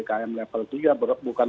bukan berarti bali mengangkat